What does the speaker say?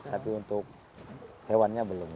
tapi untuk hewannya belum